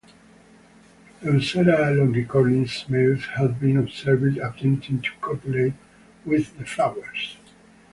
"Eucera longicornis" males have been observed attempting to copulate with the flowers.